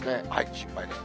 心配です。